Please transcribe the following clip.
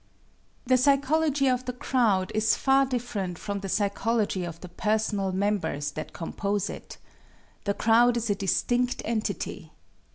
The psychology of the crowd is far different from the psychology of the personal members that compose it. The crowd is a distinct entity.